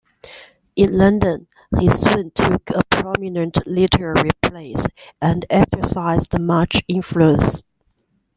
In London he soon took a prominent literary place and exercised much influence.